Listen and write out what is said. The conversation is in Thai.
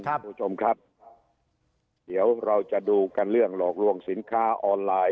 คุณผู้ชมครับเดี๋ยวเราจะดูกันเรื่องหลอกลวงสินค้าออนไลน์